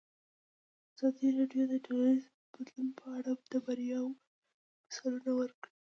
ازادي راډیو د ټولنیز بدلون په اړه د بریاوو مثالونه ورکړي.